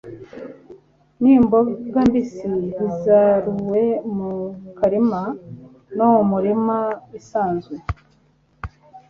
nimboga mbisi bisaruwe mu karima no mu mirima isanzwe